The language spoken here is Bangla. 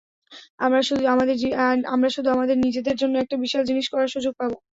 আমরা শুধু আমাদের নিজেদের জন্য একটি বিশাল জিনিস করার সুযোগ পাব।